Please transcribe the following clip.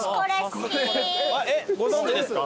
ご存じですか？